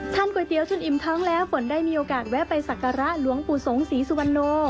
ก๋วยเตี๋ยจนอิ่มท้องแล้วฝนได้มีโอกาสแวะไปสักการะหลวงปู่สงศรีสุวรรณโน